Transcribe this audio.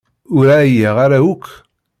Ur ɛyiɣ ara akk.